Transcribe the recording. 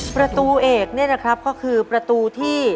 ประตูเอกเนี่ยนะครับก็คือประตูที่